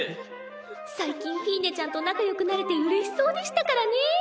最近フィーネちゃんと仲よくなれてうれしそうでしたからね。